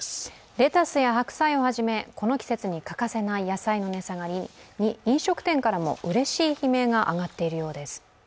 レタスや白菜をはじめ、この季節に欠かせない野菜の値下がりに飲食店からもうれしい悲鳴が上がっているようです。